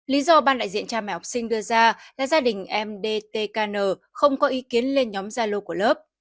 lý do ban đại diện cha mẹ học sinh đưa ra là gia đình em dtkn không có ý kiến lên nhóm gia lô của lớp